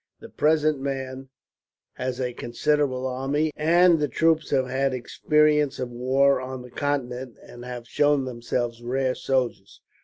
The present man has a considerable army, and the troops have had experience of war on the Continent, and have shown themselves rare soldiers.